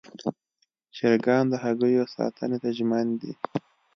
چرګان د هګیو ساتنې ته ژمن دي.